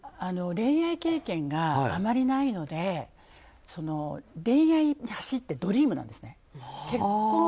恋愛経験があまりないので恋愛に走ってドリームなんですね。